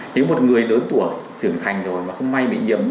nếu một người lớn tuổi trưởng thành rồi mà không may bị nhiễm